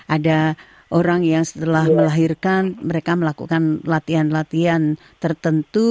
ada orang yang setelah melahirkan mereka melakukan latihan latihan tertentu